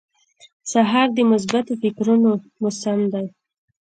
سهار د مثبتو فکرونو موسم دی.